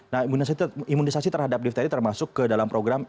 nah imunisasi terhadap difteri termasuk ke dalam program